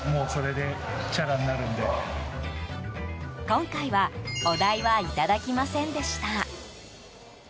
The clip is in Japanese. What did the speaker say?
今回はお代はいただきませんでした。